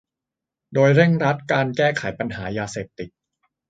โดยเร่งรัดการแก้ไขปัญหายาเสพติด